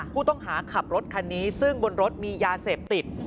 ผู้ต้องหาขับรถคันนี้ซึ่งบนรถมียาเสพติด